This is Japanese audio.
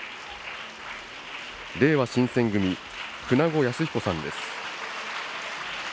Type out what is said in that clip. れいわ新選組、舩後靖彦さんです。